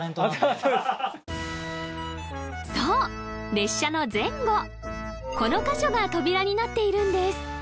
列車の前後この箇所が扉になっているんです